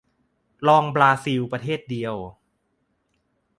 รองบราซิลประเทศเดียว